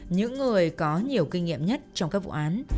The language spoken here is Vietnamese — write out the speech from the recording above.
những người có nhiều kinh nghiệm nhất trong các vụ án